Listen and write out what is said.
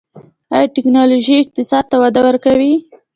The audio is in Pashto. آیا ټیکنالوژي اقتصاد ته وده ورکوي؟